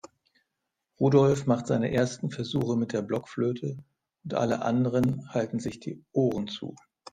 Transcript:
Rudolf macht seine ersten Versuche mit der Blockflöte und alle anderen halten sich die Ohren zu.